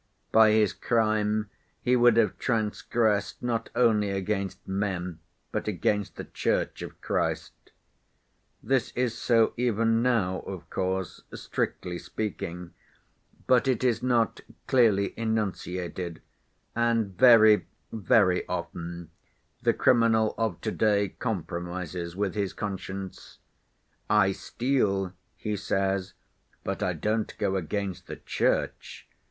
By his crime he would have transgressed not only against men but against the Church of Christ. This is so even now, of course, strictly speaking, but it is not clearly enunciated, and very, very often the criminal of to‐day compromises with his conscience: 'I steal,' he says, 'but I don't go against the Church.